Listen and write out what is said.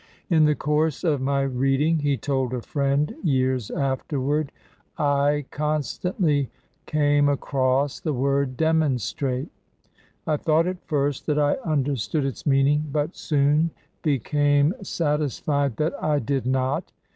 "In the course of my reading," he told a friend years afterward, "I constantly came across the word 'demonstrate.' I thought at first that I understood its meaning, but soon became satis fied that I did not.